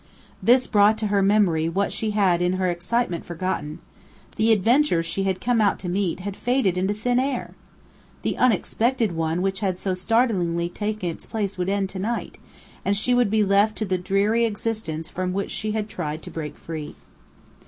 This brought to her memory what she had in her excitement forgotten: the adventure she had come out to meet had faded into thin air! The unexpected one which had so startlingly taken its place would end to night, and she would be left to the dreary existence from which she had tried to break free.